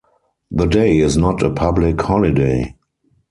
The day is not a public holiday.